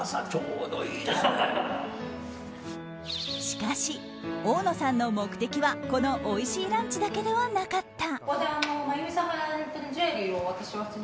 しかし大野さんの目的はこのおいしいランチだけではなかった。